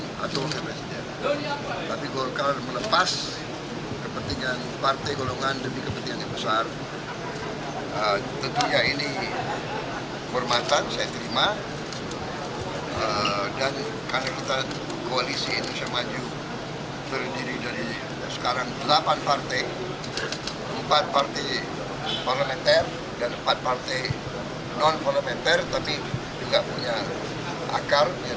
tentunya ini bermatan saya terima dan kandungan koalisi indonesia maju terdiri dari sekarang delapan partai empat partai volometer dan empat partai non volometer tapi tidak punya akar